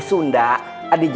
persantren kan bahasa arab